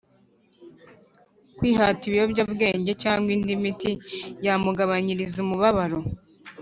kwihata ibiyobyabwenge cyangwa indi miti yamugabanyiriza umubabaro